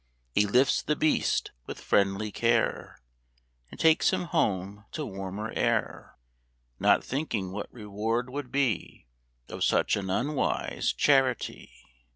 He lifts the beast, with friendly care, And takes him home to warmer air Not thinking what reward would be Of such an unwise charity.